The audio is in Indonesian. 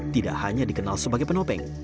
tidak hanya dikenal sebagai penopeng